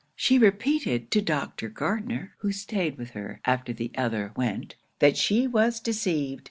She repeated to Dr. Gardner, who staid with her after the other went, that she was deceived.